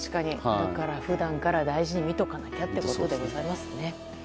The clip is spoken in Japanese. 普段から大事に見ておかなきゃってことでございますね。